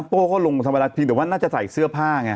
โต้เขาลงธรรมดาเพียงแต่ว่าน่าจะใส่เสื้อผ้าไง